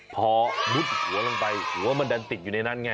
พอมุดหัวลงไปหัวมันดันติดอยู่ในนั้นไง